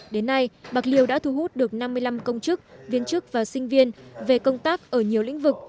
đến nay bạc liêu đã thu hút được năm mươi năm công chức viên chức và sinh viên về công tác ở nhiều lĩnh vực